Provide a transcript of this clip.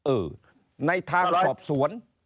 เออในทางสอบสวน